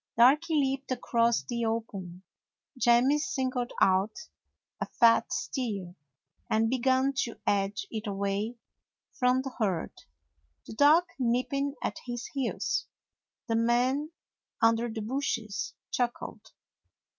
Darky leaped across the open; Jemmy sin gled out a fat steer, and began to edge it away from the herd, the dog nipping at its heels. The man under the bushes chuckled.